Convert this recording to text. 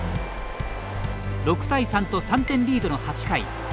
６対３と、３点リードの８回。